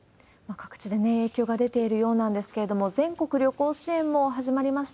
各地で影響が出ているようなんですけれども、全国旅行支援も始まりました。